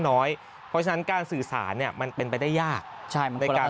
เพราะฉะนั้นการสื่อสารเนี่ยมันเป็นไปได้ยากใช่มันเป็นการ